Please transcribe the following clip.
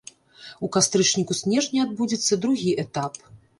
У кастрычніку-снежні адбудзецца другі этап.